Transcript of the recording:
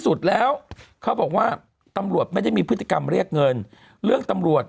สุดแล้วเขาบอกว่าตำรวจไม่ได้มีพฤติกรรมเรียกเงินเรื่องตำรวจ